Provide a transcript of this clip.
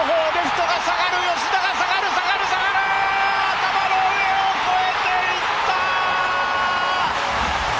頭の上を越えていった！